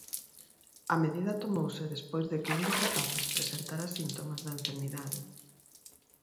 A medida tomouse despois de que un dos rapaces presentara síntomas da enfermidade.